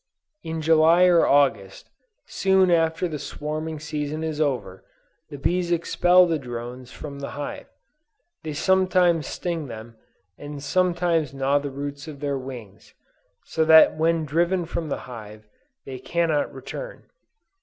In July or August, soon after the swarming season is over, the bees expel the drones from the hive. They sometimes sting them, and sometimes gnaw the roots of their wings, so that when driven from the hive, they cannot return.